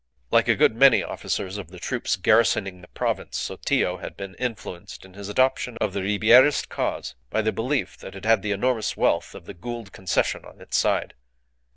Like a good many officers of the troops garrisoning the province, Sotillo had been influenced in his adoption of the Ribierist cause by the belief that it had the enormous wealth of the Gould Concession on its side.